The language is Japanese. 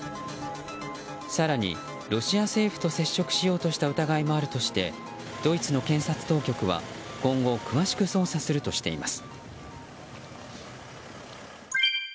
更に、ロシア政府と接触しようとした疑いもあるとしてドイツの検察当局は今後詳しく捜査するとしています。